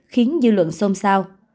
khiến dư luận xôn xao